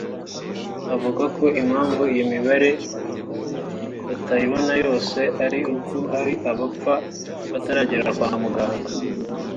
Avuga ko impamvu iyo mibare batayibona yose ari uko hari abapfa bataragera kwa muganga